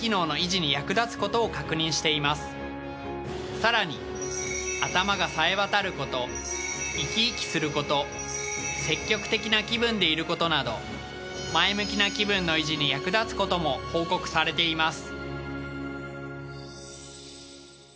更に頭がさえわたることいきいきすること積極的な気分でいることなど前向きな気分の維持に役立つことも報告されています。